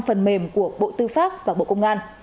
phần mềm của bộ tư pháp và bộ công an